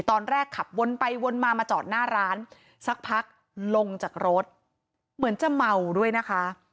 ตอนแรกขับวนไปวนมามาจอดหน้าร้านสักพักลงจากรถเหมือนจะเมาด้วยนะคะ